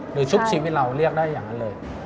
ชุบชีวิตเราเรียกได้อย่างนั้นเลย